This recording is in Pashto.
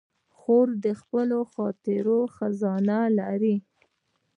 خور د خپلو خاطرو خزانه لري.